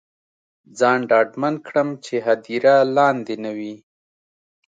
ځان ډاډمن کړم چې هدیره لاندې نه وي.